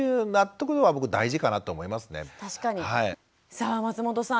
さあ松本さん